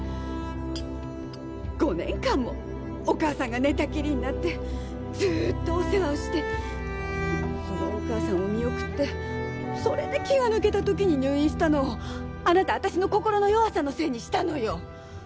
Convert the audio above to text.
５年間もお義母さんが寝たきりになってずっとお世話をしてそのお義母さんを見送ってそれで気が抜けたときに入院したのをあなたわたしの心の弱さのせいにしたのよ！